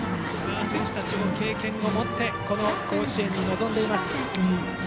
選手たちも経験を持ってこの甲子園に臨んでいます。